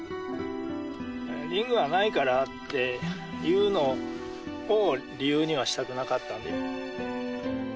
リングがないからっていうのを理由にはしたくなかったんで。